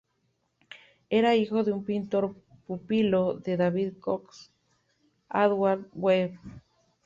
Era hijo de un pintor pupilo de David Cox, Edward Webb.